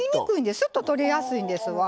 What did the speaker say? すっと取れやすいんですわ。